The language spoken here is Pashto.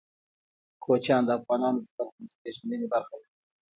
کوچیان د افغانانو د فرهنګي پیژندنې برخه ده.